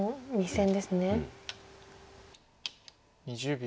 ２０秒。